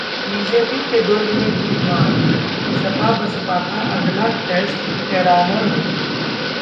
BJP के दुर्ग में दी मात, सपा-बसपा का अगला टेस्ट कैराना में